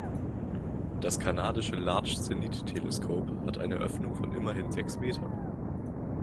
Das kanadische Large Zenith Telescope hat eine Öffnung von immerhin sechs Metern.